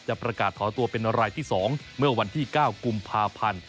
ประกาศถอนตัวเป็นรายที่๒เมื่อวันที่๙กุมภาพันธ์